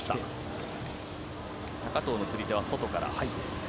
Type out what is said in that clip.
高藤の釣り手は外から。